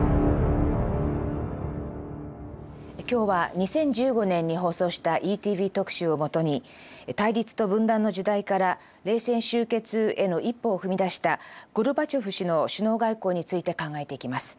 今日は２０１５年に放送した「ＥＴＶ特集」をもとに対立と分断の時代から冷戦終結への一歩を踏み出したゴルバチョフ氏の首脳外交について考えていきます。